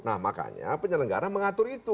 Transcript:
nah makanya penyelenggara mengatur itu